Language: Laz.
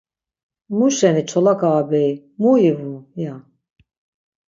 Muşeni çolak ağabeyi, mu ivu? ya.